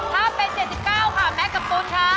ถ้าเป็น๗๙ค่ะแม็กกับตูนค่ะ